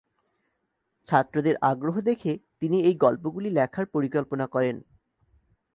ছাত্রদের আগ্রহ দেখে তিনি এই গল্পগুলি লেখার পরিকল্পনা করেন।